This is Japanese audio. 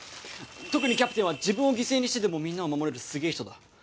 特にキャプテンは自分を犠牲にしてでもみんなを守れるすげえ人だ。